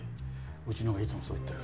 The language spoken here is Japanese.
うちのがいつもそう言ってる。